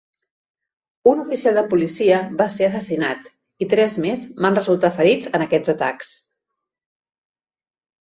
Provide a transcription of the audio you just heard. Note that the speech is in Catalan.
Un oficial de policia va ser assassinat i tres més van resultar ferits en aquests atacs.